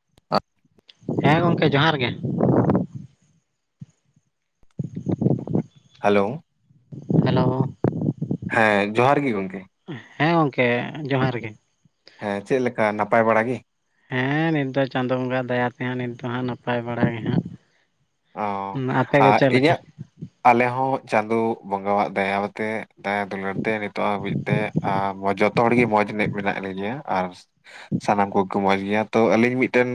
[unintelligible] ᱦᱮᱸ ᱜᱚᱝᱠᱮ ᱡᱚᱦᱟᱨ ᱜᱮ ᱦᱟᱞᱳ᱾ ᱦᱮᱞᱳ᱾ ᱦᱮᱸ ᱡᱚᱦᱟᱨ ᱜᱮ ᱜᱚᱝᱠᱮ ᱦᱮᱸ ᱜᱚᱝᱠᱮ ᱡᱚᱦᱟᱨ ᱜᱮ ᱦᱮᱸ ᱪᱮᱫ ᱞᱮᱠᱟ ᱱᱟᱯᱟᱭ ᱵᱟᱲᱟ ᱜᱮ ᱦᱮᱸ ᱱᱤᱛ ᱫᱚ ᱪᱟᱸᱫᱚ ᱵᱚᱸᱜᱟᱣᱟᱜ ᱫᱟᱭᱟ ᱛᱮᱦᱟᱸᱜ ᱱᱤᱛ ᱫᱚ ᱦᱟᱸᱜ ᱱᱟᱯᱟᱭ ᱵᱟᱲᱟ ᱜᱮ ᱦᱟᱸᱜ ᱚ ᱟᱯᱮ ᱜᱮ ᱟᱨ ᱪᱮᱫ ᱞᱮᱠᱟ ᱤᱧᱟᱹᱜ ᱟᱞᱮ ᱦᱚᱸ ᱪᱟᱸᱫᱚ ᱵᱚᱸᱜᱟᱣᱟᱜ ᱫᱟᱭᱟᱣᱟᱛᱮᱜ ᱫᱟᱭᱟ ᱫᱩᱞᱟᱹᱲ ᱛᱮ ᱱᱤᱛᱚᱜ ᱦᱟᱹᱵᱤᱡ ᱛᱮ ᱟ ᱡᱚᱛᱚ ᱦᱚᱲᱜᱮ ᱢᱚᱸᱡᱽ ᱧᱚᱜ ᱢᱮᱱᱟᱜ ᱞᱮ ᱜᱮᱭᱟ ᱟᱨ ᱥᱟᱱᱟᱢ ᱠᱚᱜᱮ ᱠᱚ ᱢᱚᱸᱡᱽ ᱜᱮᱭᱟ ᱛᱚ ᱟᱹᱞᱤᱧ ᱢᱤᱫᱴᱮᱝ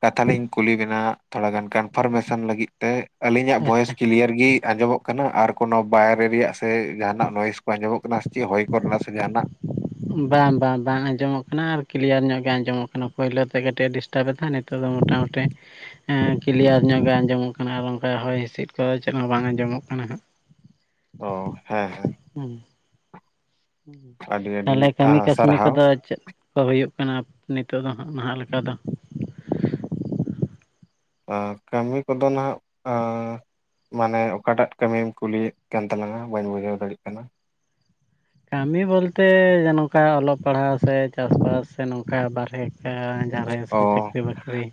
ᱠᱟᱛᱷᱟ ᱞᱤᱧ ᱠᱩᱞᱤ ᱵᱮᱱᱟ ᱛᱷᱚᱲᱟ ᱜᱟᱱ ᱠᱟᱱ ᱠᱟᱱ ᱞᱟᱹᱜᱤᱫ ᱛᱮ ᱟᱹᱞᱤᱧᱟᱜ ᱵᱷᱚᱭᱮᱥ ᱟᱪᱪᱷᱟ ᱠᱤᱞᱤᱭᱟᱹᱨ ᱜᱮ ᱟᱸᱡᱚᱢᱚᱜ ᱠᱟᱱᱟ ᱟᱨ ᱠᱚᱱᱚ ᱵᱟᱭᱨᱮ ᱨᱮᱭᱟᱜ ᱥᱮ ᱡᱟᱦᱟᱱᱟᱜ ᱱᱚᱭᱤᱥ ᱠᱚ ᱟᱸᱡᱚᱢᱚᱜ ᱠᱟᱱᱟ ᱪᱮᱫ ᱦᱚᱭ ᱠᱚᱨᱮᱱᱟᱜ ᱥᱮ ᱡᱟᱦᱟᱱᱟᱜ ᱵᱟᱝ ᱵᱟᱝ ᱵᱟᱝ ᱟᱸᱡᱚᱢᱚᱜ ᱠᱟᱱᱟ ᱟᱨ ᱠᱤᱞᱤᱭᱟᱹᱨ ᱧᱚᱜ ᱜᱮ ᱟᱸᱡᱚᱢᱚᱜ ᱠᱟᱱᱟ ᱯᱩᱭᱞᱩ ᱛᱮ ᱠᱟᱹᱴᱤᱡ ᱛᱚᱵᱮ ᱠᱷᱟᱱ ᱱᱤᱛᱚᱜ ᱫᱚ ᱢᱚᱴᱟᱢᱩᱴᱤ ᱦᱮᱸ ᱠᱤᱞᱤᱭᱟᱹᱨ ᱧᱚᱜ ᱜᱮ ᱟᱸᱡᱚᱢᱚᱜ ᱠᱟᱱᱟ ᱟᱨ ᱚᱱᱠᱟ ᱦᱚᱭ ᱦᱤᱸᱥᱤᱫ ᱠᱚ ᱪᱮᱫ ᱦᱚᱸ ᱵᱟᱝ ᱟᱸᱡᱚᱢᱚᱜ ᱠᱟᱱᱟ ᱦᱟᱸᱜ [unintelligible] ᱚ ᱦᱮᱸ ᱦᱮᱸ ᱦᱩᱸ ᱟᱹᱰᱤ ᱟᱹᱰᱤ ᱛᱟᱦᱞᱮ ᱠᱟᱹᱢᱤ ᱠᱟᱹᱥᱱᱤ ᱥᱟᱨᱦᱟᱣ ᱠᱚᱫᱚ ᱪᱮᱫ? ᱠᱚ ᱦᱩᱭᱩᱜ ᱠᱟᱱᱟ ᱱᱤᱛᱚᱜ ᱫᱚ ᱦᱟᱜ ᱱᱟᱦᱟᱜ ᱞᱮᱠᱟ ᱫᱚ ᱟ ᱠᱟᱹᱢᱤ ᱠᱚᱫᱚ ᱱᱟᱦᱟᱜ ᱟ ᱢᱟᱱᱮ ᱚᱠᱟᱴᱟᱜ ᱠᱟᱹᱢᱤᱢ ᱠᱩᱞᱤᱭᱮᱫ ᱠᱟᱱ ᱛᱟᱞᱟᱝᱟ ᱵᱟᱹᱧ ᱵᱩᱡᱷᱟᱹᱣ ᱫᱟᱲᱮᱭᱟᱜ ᱠᱟᱱᱟ? ᱠᱟᱹᱢᱤ ᱵᱚᱞᱛᱮ ᱡᱮ ᱱᱚᱝᱠᱟ ᱚᱞᱚᱜ ᱯᱟᱲᱦᱟᱣ ᱥᱮ ᱪᱟᱥᱵᱟᱥ ᱥᱮ ᱱᱚᱝᱠᱟ ᱵᱟᱨᱦᱮ ᱠᱟᱜ ᱟᱹᱧ ᱵᱟᱦᱨᱮ ᱥᱮ ᱚ ᱪᱟᱹᱠᱨᱤ ᱵᱟᱹᱠᱨᱤ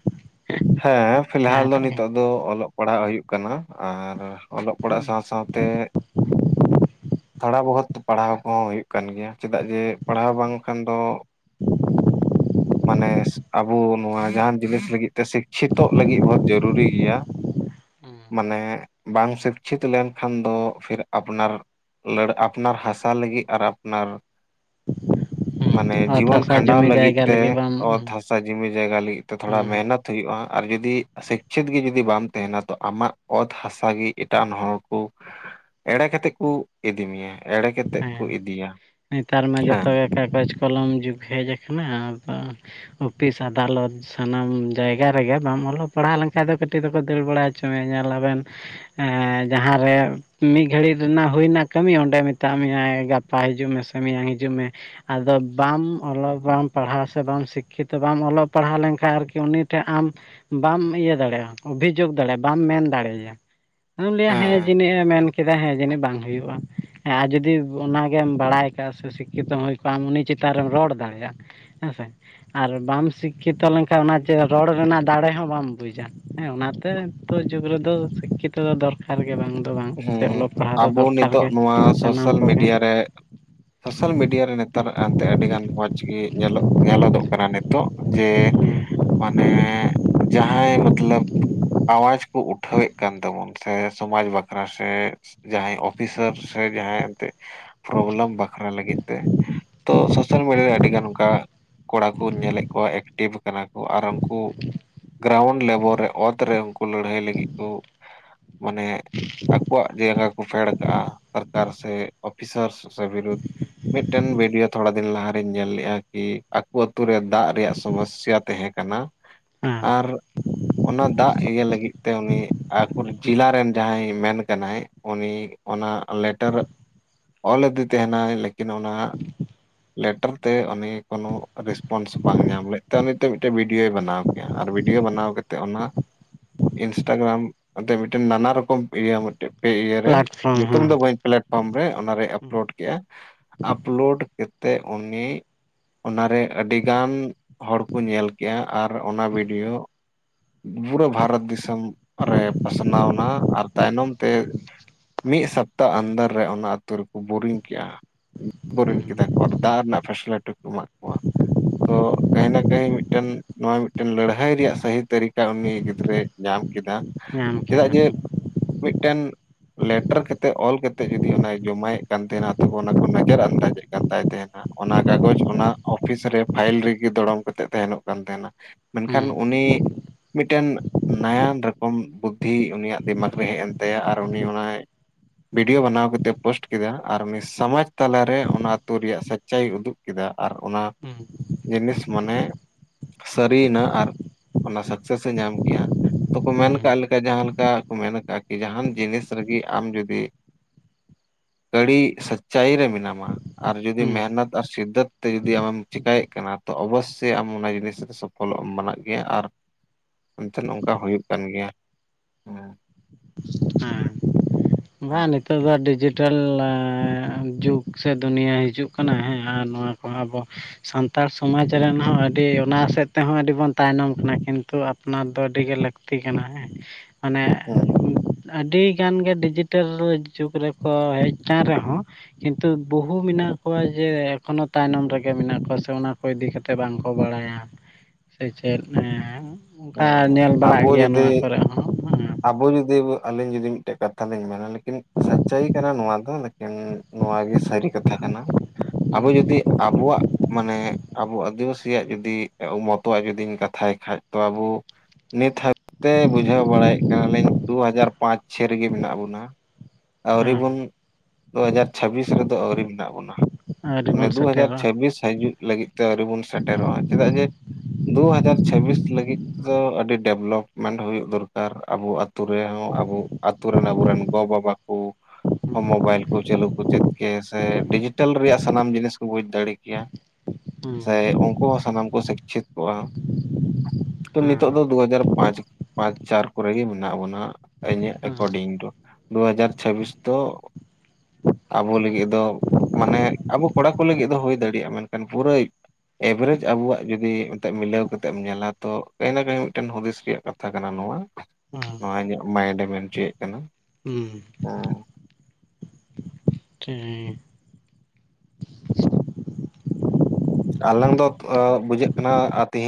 ᱦᱮᱸ ᱯᱷᱤᱞᱦᱟᱞ ᱫᱚ ᱡᱟᱦᱟᱸᱴᱟᱜ ᱜᱮ ᱱᱤᱛᱚᱜ ᱫᱚ ᱚᱞᱚᱜ ᱯᱟᱲᱦᱟᱜ ᱦᱩᱭᱩᱜ ᱠᱟᱱᱟ ᱟᱨ ᱚᱞᱚᱜ ᱯᱟᱲᱦᱟᱜ ᱦᱩᱸ ᱥᱟᱶ ᱥᱟᱶ ᱛᱮ ᱛᱷᱚᱲᱟ ᱵᱟᱦᱩᱛ ᱯᱟᱲᱦᱟᱣ ᱠᱚᱦᱚᱸ ᱦᱩᱭᱩᱜ ᱠᱟᱱ ᱜᱮᱭᱟ ᱪᱮᱫᱟᱜ ᱡᱮ ᱯᱟᱲᱦᱟᱣ ᱵᱟᱝᱠᱷᱟᱱ ᱫᱚ ᱢᱟᱱᱮ ᱟᱵᱚ ᱱᱚᱣᱟ ᱡᱟᱦᱟᱱ ᱡᱤᱱᱤᱥ ᱞᱟᱹᱜᱤᱫ ᱛᱮ ᱥᱤᱠᱪᱷᱤᱛᱚᱜ ᱞᱟᱹᱜᱤᱫ ᱵᱟᱦᱩᱛ ᱡᱩᱨᱩᱨᱤ ᱜᱮᱭᱟ ᱢᱟᱱᱮ ᱵᱟᱝ ᱥᱤᱠᱪᱷᱤᱛ ᱞᱮᱱᱠᱷᱟᱱ ᱫᱚ ᱯᱷᱤᱨ ᱟᱯᱱᱟᱨ ᱞᱟᱹᱲ ᱟᱯᱱᱟᱨ ᱦᱟᱥᱟ ᱞᱟᱹᱜᱤᱫ ᱟᱨ ᱟᱯᱱᱟᱨ ᱢᱟᱱᱮ ᱚᱛ ᱡᱤᱵᱚᱱ ᱦᱟᱥᱟ ᱠᱷᱟᱸᱰᱟᱣ ᱡᱚᱢᱤ ᱞᱟᱹᱜᱤᱫ ᱡᱟᱭᱜᱟ ᱛᱮ ᱵᱟᱢ ᱚᱛ ᱦᱟᱥᱟ ᱡᱩᱢᱤ ᱡᱟᱭᱜᱟ ᱞᱟᱹᱜᱤᱫ ᱛᱮ ᱛᱷᱚᱲᱟ ᱦᱩᱸ ᱢᱮᱦᱱᱚᱛ ᱦᱩᱭᱩᱜᱼᱟ ᱟᱨ ᱡᱩᱫᱤ ᱥᱤᱠᱪᱷᱤᱛ ᱜᱮ ᱡᱩᱫᱤ ᱵᱟᱢ ᱛᱟᱦᱮᱸᱱᱟ ᱛᱚ ᱟᱢᱟᱜ ᱚᱛ ᱦᱟᱥᱟ ᱜᱮ ᱮᱴᱟᱜ ᱟᱱ ᱦᱚᱲ ᱠᱚ ᱮᱲᱮ ᱠᱟᱛᱮᱜ ᱠᱩ ᱤᱫᱤ ᱢᱮᱭᱟ ᱮᱲᱮ ᱠᱟᱛᱮᱜ ᱠᱚ ᱦᱮᱸ ᱤᱫᱤᱭᱟ ᱱᱮᱛᱟᱨ ᱢᱟ ᱡᱚᱛᱚ ᱦᱮᱸ ᱜᱮ ᱠᱟᱜᱚᱡᱽ ᱠᱚᱞᱚᱢ ᱡᱩᱜᱽ ᱦᱮᱡᱽ ᱟᱠᱟᱱᱟ ᱟᱫᱚ ᱚᱯᱷᱤᱥ ᱟᱫᱟᱞᱚᱛ ᱥᱟᱱᱟᱢ ᱡᱟᱭᱜᱟ ᱨᱮᱜᱮ ᱵᱟᱢ ᱚᱞᱚᱜ ᱯᱟᱲᱦᱟᱣ ᱞᱮᱱᱠᱷᱟᱱ ᱫᱚ ᱠᱟᱹᱴᱤᱡ ᱫᱚᱠᱚ ᱫᱟᱹᱲ ᱵᱟᱲᱟ ᱦᱚᱪᱚ ᱢᱮᱭᱟ ᱧᱮᱞᱟᱵᱮᱱ ᱮᱸ ᱡᱟᱦᱟᱸᱨᱮ ᱢᱤᱫ ᱜᱷᱟᱹᱲᱤᱡ ᱨᱮᱱᱟᱜ ᱦᱩᱭᱱᱟ ᱠᱟᱹᱢᱤ ᱚᱸᱰᱮ ᱢᱮᱛᱟᱜ ᱢᱮᱭᱟᱭ ᱜᱟᱯᱟ ᱦᱤᱡᱩᱜ ᱢᱮᱥᱮ ᱢᱮᱭᱟᱝ ᱦᱤᱡᱩᱜ ᱢᱮ ᱟᱫᱚ ᱵᱟᱢ ᱚᱞᱚᱜ ᱵᱟᱢ ᱯᱟᱲᱦᱟᱣ ᱥᱮ ᱵᱟᱢ ᱥᱤᱠᱠᱷᱤᱛᱚ ᱵᱟᱢ ᱚᱞᱚᱜ ᱯᱟᱲᱦᱟᱣ ᱞᱮᱱᱠᱷᱟᱱ ᱟᱨᱠᱤ ᱩᱱᱤ ᱴᱷᱮᱡ ᱟᱢ ᱵᱟᱢ ᱤᱭᱟᱹ ᱫᱟᱲᱮᱭᱟᱜᱼᱟ ᱚᱵᱷᱤᱡᱩᱜᱽ ᱫᱟᱲᱮᱭᱟᱜᱼᱟ ᱵᱟᱢ ᱢᱮᱱ ᱫᱟᱲᱮᱭᱟᱭᱟ ᱦᱩᱸ ᱞᱟᱹᱭᱟ ᱦᱮᱸ ᱡᱟᱹᱱᱤᱡ ᱮ ᱢᱮᱱ ᱠᱮᱫᱟ ᱦᱮᱸ ᱡᱟᱹᱱᱤᱡ ᱵᱟᱝ ᱦᱩᱭᱩᱜ-ᱟ ᱟᱨ ᱡᱩᱫᱤ ᱚᱱᱟ ᱜᱮᱢ ᱵᱟᱲᱟᱭ ᱠᱟᱜᱼᱟ ᱥᱮ ᱥᱤᱠᱠᱷᱤᱛᱚ ᱦᱩᱭ ᱠᱚᱜᱼᱟ ᱟᱢ ᱩᱱᱤ ᱪᱮᱛᱟᱱ ᱨᱮᱢ ᱨᱚᱲ ᱫᱟᱲᱮᱭᱟᱜ-ᱟ ᱦᱮᱸᱥᱮ ᱟᱨ ᱵᱟᱢ ᱥᱤᱠᱠᱷᱤᱛᱚ ᱞᱮᱱᱠᱷᱟᱱ ᱚᱱᱟ ᱪᱮᱫ ᱨᱚᱲ ᱨᱮᱱᱟᱜ ᱫᱟᱲᱮ ᱦᱚᱸ ᱵᱟᱢ ᱵᱩᱡᱟ ᱦᱮᱸ ᱚᱱᱟᱛᱮ ᱱᱤᱛᱚᱜ ᱡᱩᱜᱽ ᱨᱮᱫᱚ ᱥᱤᱠᱠᱷᱤᱛᱚ ᱫᱚ ᱫᱚᱨᱠᱟᱨ ᱫᱚᱨᱠᱟᱨ ᱜᱮ ᱵᱟᱝ ᱫᱚ ᱵᱟᱝ ᱥᱮ ᱦᱮᱸ ᱚᱞᱚᱜ ᱯᱟᱲᱦᱟᱜ ᱫᱚ ᱟᱵᱚ ᱫᱚᱨᱠᱟᱨ ᱱᱤᱛᱚᱜ ᱜᱮ ᱱᱚᱣᱟ ᱥᱟᱱᱟᱢ ᱠᱚᱜᱮ ᱥᱚᱥᱟᱞ ᱢᱤᱰᱤᱭᱟ ᱨᱮ ᱱᱮᱛᱟᱨ ᱮᱱᱛᱮ ᱟᱹᱰᱤᱜᱟᱱ ᱢᱚᱡᱽ ᱜᱮ ᱧᱮᱞ ᱧᱮᱞᱚᱜᱚᱜ ᱠᱟᱱᱟ ᱱᱤᱛᱚᱜ ᱡᱮ ᱦᱩᱸ ᱢᱟᱱᱮ ᱡᱟᱦᱟᱸᱭ ᱢᱟᱛᱞᱟᱵᱽ ᱟᱣᱟᱡᱽ ᱠᱚ ᱩᱴᱷᱟᱹᱣᱮᱫ ᱠᱟᱱ ᱛᱟᱵᱚᱱ ᱥᱮ ᱥᱚᱢᱟᱡ ᱵᱟᱠ ᱵᱟᱥᱮᱡ ᱡᱟᱦᱟᱸᱭ ᱚᱯᱷᱤᱥᱟᱨ ᱥᱮ ᱡᱟᱦᱟᱸᱭ ᱮᱱᱛᱮᱫ ᱯᱨᱚᱵᱞᱮᱢ ᱵᱟᱠᱷᱨᱟ ᱞᱟᱹᱜᱤᱫ ᱛᱮ ᱛᱚ ᱥᱚᱥᱟᱞ ᱢᱤᱰᱤᱭᱟ ᱨᱮ ᱟᱹᱰᱤ ᱜᱟᱱ ᱚᱱᱠᱟ ᱠᱚᱲᱟᱠᱩᱧ ᱧᱮᱞᱮᱫ ᱠᱚᱣᱟ ᱮᱠᱴᱤᱵᱷ ᱠᱟᱱᱟ ᱠᱚ ᱟᱨ ᱩᱱᱠᱩ ᱜᱨᱟᱣᱩᱱᱰ ᱞᱮᱵᱮᱞ ᱨᱮ ᱚᱛᱨᱮ ᱩᱱᱠᱩ ᱞᱟᱹᱲᱦᱟᱹᱭ ᱞᱟᱹᱜᱤᱫ ᱠᱚ ᱢᱟᱱᱮ ᱟᱠᱚᱣᱟᱜ ᱡᱟᱸᱜᱟ ᱠᱚ ᱯᱷᱮᱰ ᱠᱟᱜᱼᱟ ᱥᱚᱨᱠᱟᱨ ᱥᱮ ᱚᱯᱷᱤᱥᱟᱨ ᱥᱮ ᱵᱤᱨᱩᱫ ᱢᱤᱫ ᱴᱮᱝ ᱵᱷᱤᱰᱭᱳ ᱛᱷᱚᱲᱟ ᱫᱤᱱ ᱞᱟᱦᱟᱨᱮᱤᱧ ᱧᱮᱞ ᱞᱮᱜᱼᱟ ᱠᱤ ᱟᱠᱚ ᱟᱛᱳᱮ ᱫᱟᱜ ᱨᱮᱭᱟᱜ ᱥᱚᱢᱚᱥᱟ ᱛᱟᱦᱮᱸ ᱠᱟᱱᱟ᱾ ᱦᱮᱸ ᱟᱨ ᱚᱱᱟ ᱫᱟᱜ ᱤᱭᱟᱹ ᱞᱟᱹᱜᱤᱫ ᱛᱮ ᱩᱱᱤ ᱟᱠ ᱡᱮᱞᱟ ᱨᱮᱱ ᱡᱟᱦᱟᱸᱭᱼᱼ ᱢᱮᱱ ᱠᱟᱱᱟᱭ ᱩᱱᱤ ᱚᱱᱟ ᱞᱮᱴᱟᱨ ᱚᱞ ᱟᱫᱮ ᱛᱟᱦᱮᱸᱱᱟᱭ ᱞᱮᱠᱤᱱ ᱚᱱᱟᱼᱼ ᱞᱮᱴᱚᱨ ᱛᱮ ᱩᱱᱤ ᱠᱚᱱᱚ ᱨᱮᱥᱯᱚᱱᱥ ᱵᱟᱝ ᱧᱟᱢ ᱞᱮᱫ ᱛᱮ ᱩᱱᱤ ᱢᱤᱫᱴᱮᱱ ᱵᱤᱰᱭᱳᱭ ᱵᱟᱱᱟᱣ ᱟᱨ ᱵᱤᱰᱭᱳ ᱵᱟᱱᱟᱣ ᱠᱟᱛᱮᱫ ᱚᱱᱟ ᱤᱱᱥᱴᱟᱜᱨᱟᱢ ᱟᱛᱮ ᱢᱤᱫᱴᱮᱱ ᱱᱟᱱᱟ ᱨᱚᱠᱚᱢᱼᱼ ᱤᱭᱟᱹ ᱢᱤᱫᱴᱮᱡ ᱯᱮ ᱤᱭᱟᱹ ᱨᱮ ᱯᱞᱟᱴᱯᱷᱨᱚᱢ ᱧᱩᱛᱩᱢ ᱦᱮᱸ ᱫᱚ ᱵᱟᱹᱧ ᱯᱮᱞᱮᱴᱼᱼ ᱯᱷᱳᱨᱢ ᱨᱮ ᱚᱱᱟᱨᱮᱭ ᱟᱯᱞᱳᱰ ᱠᱮᱜᱼᱟᱭ ᱟᱯᱞᱳᱰ ᱠᱟᱛᱮ ᱩᱱᱤᱼᱼ ᱚᱱᱟ ᱨᱮ ᱟᱹᱰᱤ ᱜᱟᱱ ᱦᱚᱲ ᱠᱚ ᱧᱮᱞ ᱠᱮᱜᱼᱟ ᱟᱨ ᱚᱱᱟ ᱵᱤᱰᱭᱳ ᱯᱩᱨᱟᱹ ᱵᱷᱟᱨᱚᱛ ᱫᱤᱥᱚᱢ ᱨᱮ ᱯᱟᱥᱱᱟ ᱣᱱᱟ ᱟᱨ ᱛᱟᱭᱱᱚᱢ ᱛᱮᱼᱼ ᱢᱤᱫ ᱥᱟᱯᱛᱟ ᱟᱱᱫᱚᱨ ᱨᱮ ᱚᱱᱟ ᱟᱹᱛᱩ ᱨᱮᱠᱚ ᱵᱩᱨᱤᱝ ᱠᱮᱜᱼᱟ᱾ ᱵᱩᱨᱤᱱ ᱠᱮᱫᱟ ᱠᱚ ᱟᱨ ᱫᱟᱜ ᱨᱮᱱᱟᱜ ᱯᱷᱮᱥᱮᱞᱤᱴᱤ ᱠᱚ ᱮᱢᱟᱜ ᱠᱚᱣᱟ᱾ ᱛᱚ ᱠᱟᱹᱦᱤ ᱱᱟ ᱠᱟᱹᱦᱤ ᱢᱤᱫᱴᱮᱱ ᱱᱚᱣᱟ ᱢᱤᱫᱴᱮᱱ ᱞᱟᱹᱲᱦᱟᱹᱭ ᱨᱮᱭᱟᱜ ᱥᱟᱹᱦᱤ ᱛᱟᱹᱨᱤᱠᱟ ᱩᱱᱤ ᱜᱤᱫᱽᱨᱟᱹᱭᱼᱼ ᱧᱟᱢ ᱠᱮᱫᱟ ᱧᱟᱢ ᱪᱮᱫᱟᱜ ᱠᱮᱫᱟ ᱡᱮ ᱢᱤᱫᱴᱮᱱ ᱞᱮᱴᱟᱨ ᱠᱟᱛᱮ ᱚᱞ ᱠᱟᱛᱮ ᱡᱩᱫᱤ ᱚᱱᱟᱭ ᱡᱚᱢᱟᱭᱮᱫ ᱠᱟᱱ ᱛᱟᱦᱮᱸᱱᱟ ᱛᱚ ᱚᱱᱟ ᱠᱚ ᱱᱟᱡᱟᱨ ᱟᱱᱫᱟᱡᱮᱫ ᱠᱟᱱ ᱛᱟᱭ ᱛᱟᱦᱮᱸᱱᱟ᱾ ᱚᱱᱟ ᱠᱟᱜᱚᱡᱽ ᱚᱱᱟ ᱳᱯᱷᱤᱥ ᱨᱮ ᱯᱷᱟᱭᱤᱞ ᱨᱮᱜᱮ ᱫᱚᱲᱚᱢ ᱠᱟᱛᱮᱫ ᱛᱟᱦᱮᱸᱱᱚᱜ ᱠᱟᱱ ᱛᱟᱦᱮᱸᱱᱟᱼᱼ ᱢᱮᱱᱠᱷᱟᱱ ᱦᱩᱸ ᱩᱱᱤ ᱢᱤᱫᱴᱮᱱ ᱱᱟᱭᱟᱱ ᱨᱚᱠᱚᱢ ᱯᱩᱛᱷᱤ ᱩᱱᱤᱭᱟᱜᱼᱼ ᱫᱤᱢᱟᱜᱽ ᱨᱮ ᱦᱮᱡ ᱮᱱ ᱛᱟᱭᱟ ᱟᱨ ᱦᱩᱸ ᱩᱱᱤ ᱚᱱᱟᱭ᱾ ᱵᱤᱰᱭᱳ ᱵᱟᱱᱟᱣ ᱠᱟᱛᱮ ᱯᱳᱥᱴ ᱠᱮᱫᱟ ᱟᱨ ᱩᱱᱤ ᱥᱚᱢᱟᱡᱽ ᱛᱟᱞᱟᱨᱮ ᱚᱱᱟ ᱟ ᱟᱛᱚ ᱨᱮᱭᱟᱜ ᱥᱟᱪᱟᱭ ᱩᱫᱩᱜᱼᱼ ᱠᱮᱫᱟ ᱟᱨ ᱚᱱᱟ ᱦᱩᱸ ᱡᱤᱱᱤᱥ ᱢᱟᱱᱮᱼᱼ ᱥᱟᱹᱨᱤᱭᱮᱱᱟ ᱟᱨ ᱚᱱᱟ ᱥᱟᱠᱥᱮᱥᱮ ᱧᱟᱢ ᱠᱮᱜᱼᱟ ᱛᱚ ᱠᱚ ᱢᱮᱱ ᱦᱩᱸ ᱦᱩᱸ ᱠᱟᱜ ᱞᱮᱠᱟ ᱡᱟᱦᱟᱸ ᱞᱮᱠᱟ᱾ ᱢᱮᱱ ᱟᱠᱟᱜᱼᱟ ᱠᱤ ᱡᱟᱦᱟᱱ ᱡᱤᱱᱤᱥ ᱨᱮᱜᱤ ᱟᱢ ᱡᱩᱫᱤᱼᱼ ᱟᱹᱲᱤ ᱥᱟᱪᱪᱟᱭᱤ ᱨᱮ ᱢᱮᱱᱟᱢᱟ ᱟᱨ ᱡᱩᱫᱤ ᱢᱮᱦᱱᱟᱛ ᱥᱤᱫᱽᱫᱟᱹᱛ ᱛᱮ ᱡᱩᱫᱤ ᱟᱢᱮᱢ ᱪᱮᱠᱟᱭᱮᱫ ᱠᱟᱱᱟ ᱛᱚ ᱚᱵᱚᱥᱥᱳᱭ ᱟᱢ ᱚᱱᱟ ᱡᱤᱱᱤᱥ ᱥᱚᱯᱷᱚᱞᱚᱜ ᱮᱢ ᱵᱟᱱᱟᱜ ᱜᱮᱭᱟ ᱟᱨᱼᱼ ᱚᱱᱛᱮ ᱱᱚᱝᱠᱟ ᱦᱩᱭᱩᱜ ᱠᱟᱱ ᱜᱮᱭᱟ ᱦᱟᱸ ᱵᱟ ᱱᱤᱛᱼᱼ ᱱᱤᱛᱚᱜ ᱫᱚ ᱰᱤᱡᱤᱴᱮᱞ ᱡᱩᱜᱽ ᱥᱮ ᱫᱩᱱᱤᱭᱟ ᱦᱤᱡᱩᱜ ᱠᱟᱱᱟ ᱦᱮᱸ ᱟᱨ ᱱᱚᱶᱟ ᱠᱚ ᱦᱚᱸ ᱟᱵᱚᱼᱼ ᱥᱟᱱᱛᱟᱲ ᱥᱚᱢᱟᱡᱽ ᱨᱮᱱ ᱦᱚᱸ ᱟᱹᱰᱤ ᱚᱱᱟ ᱥᱮᱫ ᱛᱮᱦᱚᱸ ᱟᱹᱰᱤ ᱵᱚᱱ ᱛᱟᱭᱱᱚᱢ ᱠᱟᱱᱟ ᱠᱤᱱᱛᱩᱼᱼ ᱚᱱᱟ ᱫᱚ ᱟᱹᱰᱤ ᱜᱮ ᱞᱟᱹᱠᱛᱤ ᱠᱟᱱᱟ ᱦᱮᱸ ᱢᱟᱱᱮᱼᱼ ᱦᱮᱸ ᱟᱹᱰᱤ ᱜᱟᱱ ᱜᱮ ᱰᱤᱡᱤ ᱴᱮᱞ ᱡᱩᱜᱽ ᱨᱮᱠᱚ ᱦᱮᱡ ᱠᱟᱱ ᱨᱮᱦᱚᱸ ᱠᱤᱱᱛᱩ ᱵᱟᱹᱦᱩ ᱢᱮᱱᱟᱜ ᱠᱚᱣᱟ ᱡᱮ ᱮᱠᱷᱚᱱᱚ ᱛᱟᱭᱱᱚᱢ ᱨᱮᱜᱮ ᱢᱮᱱᱟᱜ ᱠᱚᱣᱟ ᱥᱮ ᱚᱱᱟ ᱠᱚ ᱤᱫᱤ ᱠᱟᱛᱮᱼᱼ ᱛᱮ ᱵᱟᱝ ᱠᱚ ᱵᱟᱲᱟᱭᱟ ᱥᱮ ᱪᱮᱫ ᱦᱮᱸ ᱚᱝᱠᱟ ᱦᱮᱸ ᱧᱮᱞ ᱵᱟᱲᱟᱜ ᱟᱵᱚ ᱜᱮᱭᱟ ᱡᱩᱫᱤ ᱱᱚᱣᱟ ᱠᱚᱨᱮ ᱦᱚᱸ ᱟᱵᱚ ᱡᱩᱫᱤ ᱟᱹᱞᱤᱧ ᱡᱩᱫᱤ ᱢᱤᱫᱴᱮᱱ ᱠᱟᱛᱷᱟ ᱞᱤᱧ ᱢᱮᱱᱟ ᱞᱤᱠᱤᱱᱼᱼ ᱥᱟᱪᱪᱟᱭᱤ ᱠᱟᱱᱟ ᱱᱚᱣᱟ ᱫᱚ ᱞᱮᱠᱤᱱ ᱱᱚᱣᱟ ᱜᱮ ᱥᱟᱹᱨᱤ ᱠᱟᱛᱷᱟ ᱠᱟᱱᱟ᱾ ᱟᱵᱚ ᱡᱩᱫᱤ ᱟᱵᱚᱣᱟᱜᱼᱼ ᱢᱟᱱᱮ ᱟᱵᱚ ᱟᱹᱫᱤᱵᱟᱹᱥᱤᱭᱟᱜ ᱡᱩᱫᱤ ᱟᱵᱚ ᱢᱚᱛᱚᱣᱟᱜ ᱡᱩᱫᱤᱧ ᱠᱟᱛᱷᱟᱭ ᱠᱷᱟᱡ ᱛᱚ ᱟᱵᱚᱼᱼ ᱱᱤᱛ ᱦᱟᱹᱵᱤᱡ ᱛᱮ ᱵᱩᱡᱷᱟᱹᱣ ᱵᱟᱲᱟᱭᱮᱫ ᱠᱟᱱᱟ ᱞᱤᱧ ᱫᱩ ᱦᱟᱡᱟᱨ ᱯᱟᱸᱪ ᱪᱷᱮ ᱨᱮᱜᱮ ᱢᱮᱱᱟᱜ ᱵᱚᱱᱟ᱾ ᱟᱹᱣᱨᱤ ᱦᱮᱸ ᱵᱚᱱ ᱫᱩ ᱦᱟᱡᱟᱨ ᱪᱷᱟᱹᱵᱵᱤᱥ ᱨᱮᱫᱚ ᱟᱹᱣᱨᱤ ᱢᱮᱱᱟᱜ ᱵᱚᱱᱟ᱾ ᱟᱹᱣᱨᱤ ᱢᱟᱱᱮ ᱵᱚᱱ ᱫᱩ ᱦᱟᱡᱟᱨ ᱥᱮᱴᱮᱨᱚᱜᱼᱟ ᱪᱷᱟᱹᱵᱵᱤᱥ ᱦᱟᱹᱡᱩᱜ ᱞᱟᱹᱜᱤᱫ ᱛᱮ ᱟᱹᱣᱨᱤ ᱵᱚᱱ ᱥᱮᱴᱮᱨᱚᱜᱼᱟ ᱪᱮᱫᱟᱜ ᱡᱮᱼᱼ ᱫᱩ ᱦᱟᱡᱟᱨ ᱪᱷᱟᱹᱵᱵᱤᱥ ᱞᱟᱹᱜᱤᱫ ᱫᱚ ᱟᱹᱰᱤ ᱰᱮᱵᱷᱞᱳᱯᱢᱮᱱᱴ ᱦᱩᱭᱩᱜ ᱫᱚᱨᱠᱟᱨ ᱾ ᱟᱵᱚ ᱟᱛᱳ ᱨᱮᱦᱚᱸ ᱟᱵᱚ ᱟᱛᱳ ᱨᱮᱱ ᱟᱵᱚ ᱨᱮᱱ ᱜᱚ ᱵᱟᱵᱟ ᱠᱚ ᱦᱩᱸ ᱦᱩᱸ ᱢᱳᱵᱟᱭᱤᱞ ᱠᱚ ᱪᱟᱹᱞᱩ ᱠᱚ ᱪᱮᱫ ᱠᱮᱭᱟ ᱥᱮ ᱰᱤᱡᱤᱴᱮᱞ ᱨᱮᱭᱟᱜ ᱥᱟᱱᱟᱢ ᱡᱤᱱᱤᱥ ᱠᱚ ᱵᱩᱡᱷ ᱫᱟᱲᱮ ᱠᱮᱭᱟ ᱾ ᱥᱮ ᱩᱝᱠᱩ ᱠᱚ ᱥᱟᱱᱟᱢ ᱠᱚ ᱥᱤᱠᱪᱷᱤᱛ ᱠᱚᱜᱼᱟ ᱛᱚ, ᱱᱤᱛᱚᱜ ᱫᱚ ᱦᱩᱸ ᱫᱩ ᱦᱟᱡᱟᱨ ᱯᱟᱸᱪ ᱯᱟᱸᱪ ᱪᱟᱨ ᱠᱚᱨᱮ ᱜᱮ ᱢᱮᱱᱟᱜ ᱵᱚᱱᱟ, ᱤᱧᱟᱹᱜ ᱦᱩᱸ ᱮᱠᱚᱨᱰᱤᱝ ᱴᱩ ᱫᱩ ᱦᱟᱡᱟᱨ ᱪᱷᱟᱹᱵᱵᱤᱥ ᱫᱚ ᱟᱵᱚ ᱞᱟᱹᱜᱤᱫ ᱫᱚ ᱢᱟᱱᱮ ᱟᱵᱚ ᱠᱚᱲᱟ ᱠᱚ ᱞᱟᱹᱜᱤᱫ ᱫᱚ ᱦᱩᱭ ᱫᱟᱲᱮᱭᱟᱜᱼᱟ᱾ ᱢᱮᱱᱠᱷᱟᱱ ᱯᱩᱨᱟᱹᱭ ᱮᱵᱷᱨᱮᱡᱽ ᱟᱵᱚᱣᱟᱜ ᱡᱩᱫᱤ ᱢᱤᱞᱟᱹᱣ ᱠᱟᱛᱮᱢ ᱧᱮᱞᱟ ᱛᱚ ᱠᱟᱹᱦᱤ ᱱᱟ ᱠᱟᱹᱦᱤ ᱢᱤᱫᱴᱮᱱ ᱦᱩᱫᱤᱥ ᱨᱮᱭᱟᱜ ᱠᱟᱛᱷᱟ ᱠᱟᱱᱟ ᱱᱚᱣᱟ ᱦᱩᱸ ᱱᱚᱣᱟ ᱤᱧᱟᱹᱜ ᱢᱟᱭᱤᱱᱰᱮ ᱢᱮᱱ ᱚᱪᱚᱭᱮᱫ ᱠᱟᱱᱟ ᱦᱩᱸ ᱦᱮᱸ ᱾ ᱴᱷᱤᱠ ᱟᱞᱟᱝ ᱫᱚ ᱵᱩᱡᱷᱟᱹᱜ ᱠᱟᱱᱟ ᱛᱤᱦᱤᱧ